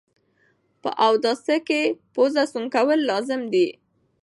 په اوداسه کي پوزه سوڼ کول لازم ده